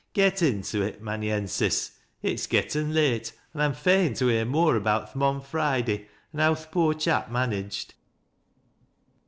Get into it, Mauny ensis. It's getten late, and I'm fain tc hear more about th' mon Friday, an' how th' pooi chap managed."